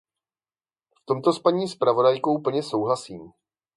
V tomto s paní zpravodajkou plně souhlasím.